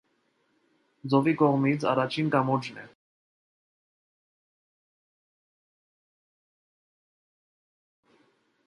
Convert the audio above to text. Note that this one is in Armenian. Ծովի կողմից առաջին կամուրջն է։